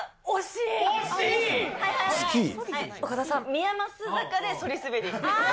宮益坂でそり滑り。